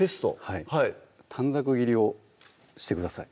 はい短冊切りをしてください